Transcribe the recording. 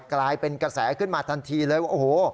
กลายเป็นกระแสขึ้นมาทันทีเลยว่าโอ้โห